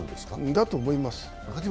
だと思います。